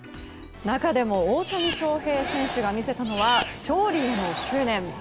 中でも大谷翔平選手が見せたのは勝利への執念。